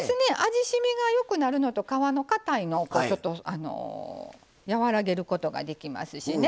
味しみがよくなるのと皮のかたいのをこうちょっと和らげることができますしね。